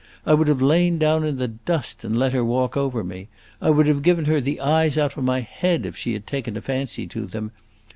I would have lain down in the dust and let her walk over me; I would have given her the eyes out of my head, if she had taken a fancy to them.